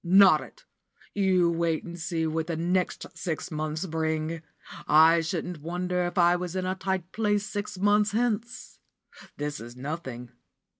"Not it! You wait and see what the next six months bring! I shouldn't wonder if I was in a tight place six months hence. This is nothing.